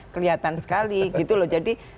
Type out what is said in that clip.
kelihatan sekali gitu loh jadi